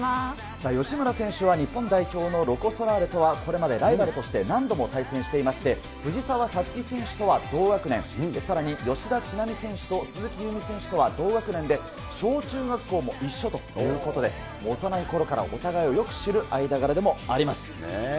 さあ吉村選手は日本代表のロコ・ソラーレとはこれまでライバルとして何度も対戦していまして、藤澤五月選手とは同学年、さらに吉田知那美選手と鈴木夕湖選手とは同学年で、小中学校も一緒ということで、幼いころからお互いをよく知る間柄でもあります。